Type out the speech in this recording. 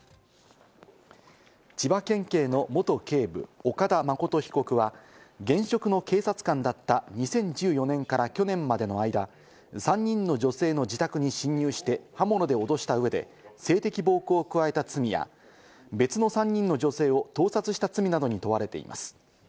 千葉県警の元警部・岡田誠被告は現職の警察官だった２０１４年から去年までの間、３人の女性の自宅に侵入して刃物で脅した上で性的暴行を加えた罪や別の３人の女性を盗撮した罪などに問われています。